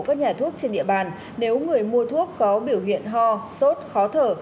các nhà thuốc trên địa bàn nếu người mua thuốc có biểu hiện ho sốt khó thở